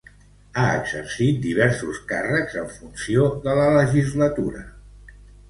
Ha exercit diversos càrrecs en funció de la legislatura.